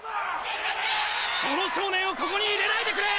その少年をここに入れないでくれ！